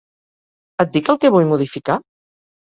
Et dic el que vull modificar?